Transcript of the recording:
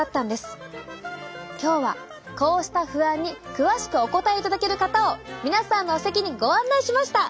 今日はこうした不安に詳しくお答えいただける方を皆さんのお席にご案内しました。